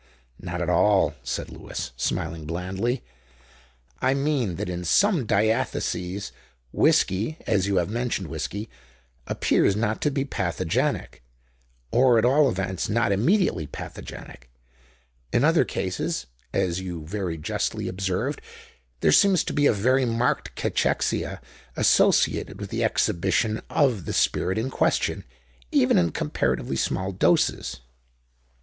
"Not at all," said Lewis, smiling blandly. "I mean that in some diatheses whisky—as you have mentioned whisky—appears not to be pathogenic, or at all events not immediately pathogenic. In other cases, as you very justly observed, there seems to be a very marked cachexia associated with the exhibition of the spirit in question, even in comparatively small doses."